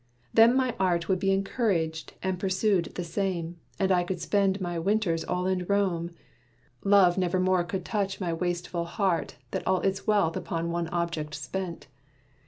Then my art Would be encouraged and pursued the same, And I could spend my winters all in Rome. Love never more could touch my wasteful heart That all its wealth upon one object spent.